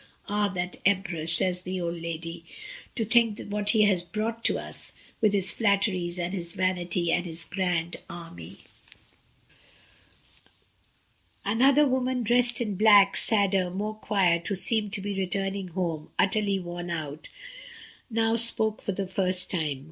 ^ Ah! that emperor," says the old lady, "to think what he has brought us to, with his flatteries, and his vanity, and his grand army." Another woman, dressed in black, sadder, more quiet, who seemed to be returning home, utterly worn out, now spoke for the first time.